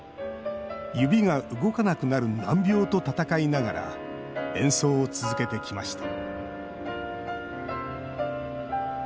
指が動かなくなる難病と闘いながら演奏を続けてきました。